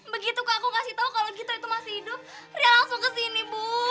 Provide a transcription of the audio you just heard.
begitu kak aku kasih tau kalo gitu itu masih hidup ria langsung kesini bu